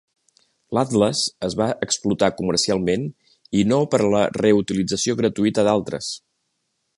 L'atles es va explotar comercialment i no per a la reutilització gratuïta d'altres.